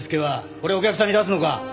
これお客さんに出すのか？